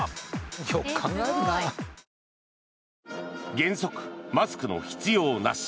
原則マスクの必要なし。